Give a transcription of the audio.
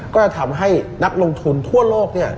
ก็จะทำให้นักลงทุนทั่วโลกเนี่ย